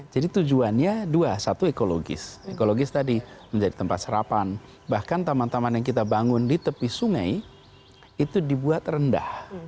jadi tujuannya dua satu ekologis ekologis tadi menjadi tempat serapan bahkan taman taman yang kita bangun di tepi sungai itu dibuat rendah